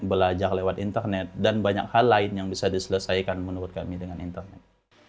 belajar lewat internet dan banyak hal lain yang bisa diselesaikan menurut kami dengan internet